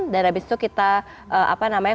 dan abis itu kita apa namanya